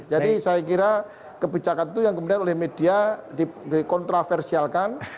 jadi saya kira kebijakan itu yang kemudian oleh media di kontraversialkan